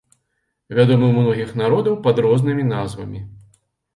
Вядомы ў многіх народаў пад рознымі назвамі.